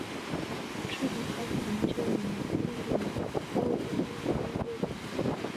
Truly alpine terrain was found in the southern mountain ranges.